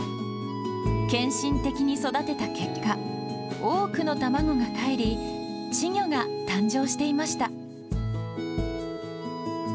献身的に育てた結果、多くの卵がかえり、稚魚が誕生していました。